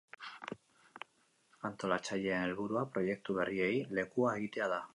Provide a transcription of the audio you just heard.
Antolatzaileen helburua proiektu berriei lekua egitea da.